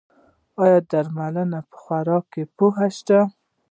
ایا د درملو په خوړلو پوه شوئ؟